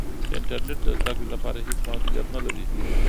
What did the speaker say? انټرنیټ د زده کړې لپاره هېڅ محدودیت نه لري.